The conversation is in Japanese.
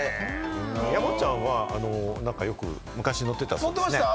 山ちゃんは、よく昔、乗ってたそうですね。